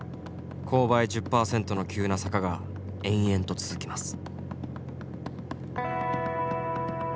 勾配１０％の急な坂が延々と続きます。